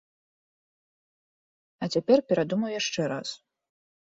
А цяпер перадумаў яшчэ раз.